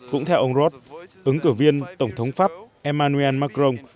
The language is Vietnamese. cũng theo ông rod ứng cử viên tổng thống pháp emmanuel macron